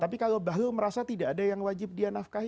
tapi kalau bahlul merasa tidak ada yang wajib dia nafkah